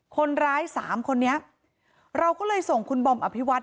คนร้ายสามคนนี้เราก็เลยส่งคุณบอมอภิวัต